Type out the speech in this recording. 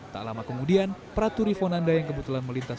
tak lama kemudian praturi fonanda yang kebetulan melintas